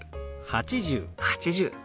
８０。